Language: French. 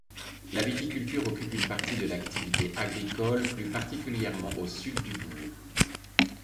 La viticulture occupe une partie de l'activité agricole, plus particulièrement au sud du bourg.